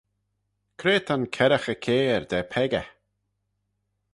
Cre ta'n kerraghey cair da peccah?